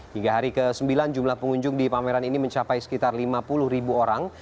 hingga hari ke sembilan jumlah pengunjung di pameran ini mencapai sekitar lima puluh ribu orang